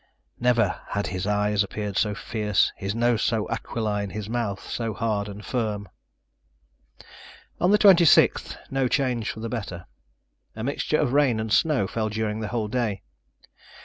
Never had his eyes appeared so fierce, his nose so aquiline, his mouth so hard and firm. On the 26th no change for the better. A mixture of rain and snow fell during the whole day.